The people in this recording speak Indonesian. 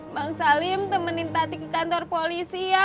bang salim temenin tati ke kantor polisi ya